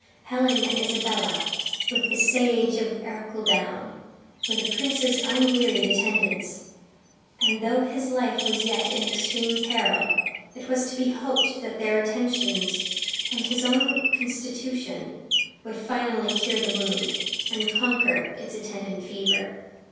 Helen and Isabella, with the sage of Ercildown, were the prince's unwearied attendants; and though his life was yet in extreme peril, it was to be hoped that their attentions, and his own constitution, would finally cure the wound, and conquer its attendant fever.